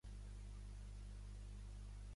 Quina és la previsió meteorològica per a Sanborn